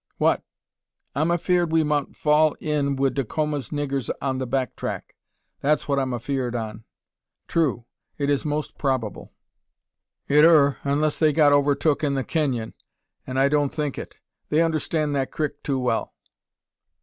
"What?" "I'm afeerd we mout fall in wi' Dacoma's niggurs on the back track; that's what I'm afeerd on." "True; it is most probable." "It ur, unless they got overtuk in the kenyon; an I don't think it. They understan' that crik too well."